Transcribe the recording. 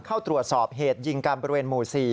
เข้าตรวจสอบเหตุยิงการบริเวณหมู่๔